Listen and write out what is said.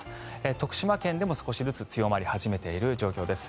徳島県でも少しずつ強まり始めている状況です。